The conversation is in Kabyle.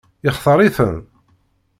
Yextaṛ-iten?